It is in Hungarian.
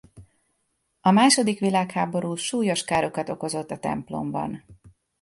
A második világháború súlyos károkat okozott a templomban.